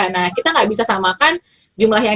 nah kita nggak bisa samakan jumlah yang